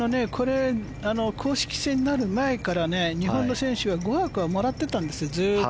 公式戦になる前から日本の選手は５枠はずっともらってたんですよ。